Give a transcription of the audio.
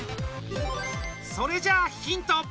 それじゃあヒント。